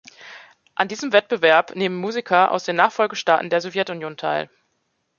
An diesem Wettbewerb nehmen Musiker aus den Nachfolgestaaten der Sowjetunion teil.